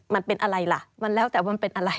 มันเป็นอะไรล่ะมันแล้วแต่มันเป็นอะไร